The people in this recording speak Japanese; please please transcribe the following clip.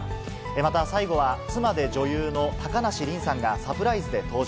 また、最後は妻で女優の高梨臨さんがサプライズで登場。